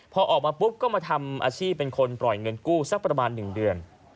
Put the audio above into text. พอออกมาปุ๊บก็มาทำอาชีพเป็นคนปล่อยเงินกู้สักประมาณ๑เดือน